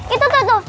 itu tuh tuh